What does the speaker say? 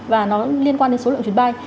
và nó liên quan đến số lượng chuyến bay